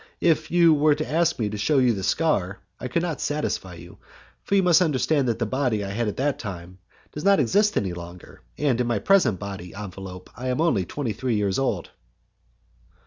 If you were to ask me to shew you the scar, I could not satisfy you, for you must understand that the body I had at that time does not exist any longer, and in my present bodily envelope I am only twenty three years old."